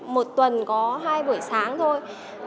một tuần có hai buổi sáng thôi